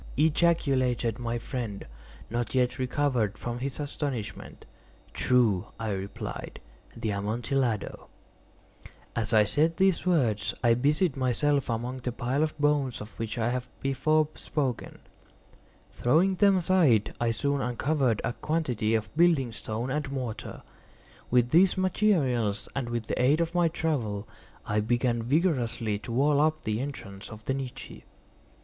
ejaculated my friend, not yet recovered from his astonishment. "True," I replied; "the Amontillado." As I said these words I busied myself among the pile of bones of which I have before spoken. Throwing them aside, I soon uncovered a quantity of building stone and mortar. With these materials and with the aid of my trowel, I began vigorously to wall up the entrance of the niche.